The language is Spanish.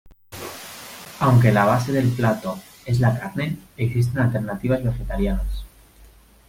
Aunque la base del plato, es la carne, existen alternativas vegetarianas.